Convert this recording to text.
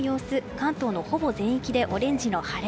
関東のほぼ全域でオレンジの晴れ。